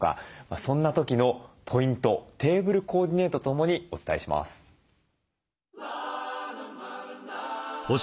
そんな時のポイントテーブルコーディネートとともにお伝えします。